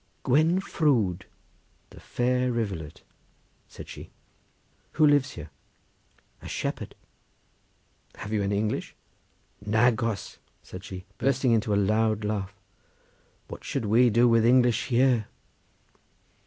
"Gwen Frwd: the Fair Rivulet," said she. "Who lives here?" "A shepherd." "Have you any English?" "Nagos!" said she, bursting into a loud laugh. "What should we do with English here?"